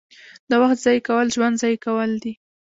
• د وخت ضایع کول ژوند ضایع کول دي.